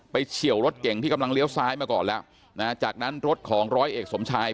เฉียวรถเก่งที่กำลังเลี้ยวซ้ายมาก่อนแล้วนะจากนั้นรถของร้อยเอกสมชาย